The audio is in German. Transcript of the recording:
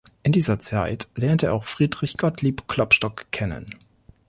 In dieser Zeit lernte er auch Friedrich Gottlieb Klopstock kennen.